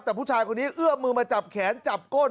แต่ผู้ชายคนนี้เอื้อมมือมาจับแขนจับก้น